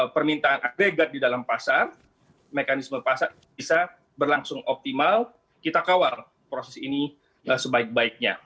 permintaan agregat di dalam pasar mekanisme pasar bisa berlangsung optimal kita kawal proses ini sebaik baiknya